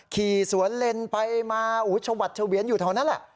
ขี่สวนเลนไปมาชวัดเฉวียนอยู่แถวนั้นแหละ